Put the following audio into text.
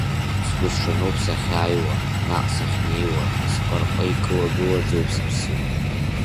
Сгәысҽануп сахьааиуа, наҟ сахьнеиуа, сҟырҟы икылагылаӡоуп сыԥсы.